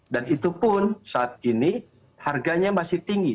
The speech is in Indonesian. dan itu pun saat ini harganya masih tinggi